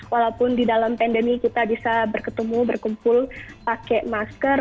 walaupun di dalam pandemi kita bisa berketemu berkumpul pakai masker